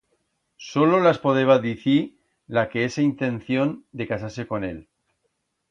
Solo las podeba dicir la que hese intención de casar-se con él.